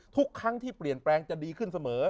ทุกครั้งที่เปลี่ยนแปลงจะดีขึ้นเสมอ